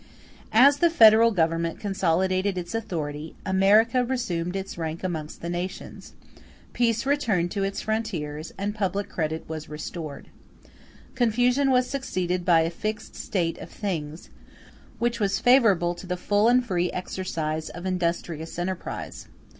As the Federal Government consolidated its authority, America resumed its rank amongst the nations, peace returned to its frontiers, and public credit was restored; confusion was succeeded by a fixed state of things, which was favorable to the full and free exercise of industrious enterprise.